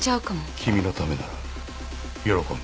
君のためなら喜んで。